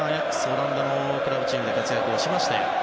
オランダのクラブチームで活躍をしました。